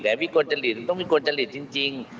แต่วิกลจริตมันต้องวิกลจริตจริง